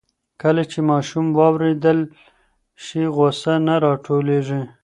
کله چې ماشوم واورېدل شي, غوسه نه راټولېږي.